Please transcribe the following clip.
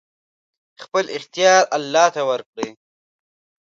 خپل اختيار الله ته ورکړئ!